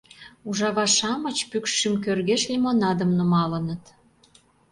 Ужава-шамыч пӱкш шӱм кӧргеш лимонадым нумалыныт.